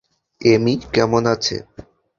এমি কেমন আছে?